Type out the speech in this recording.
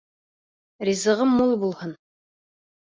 Ризығы мул булһын!